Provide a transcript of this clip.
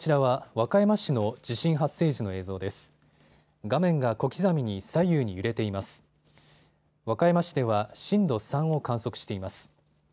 和歌山市では震度３を観測しています。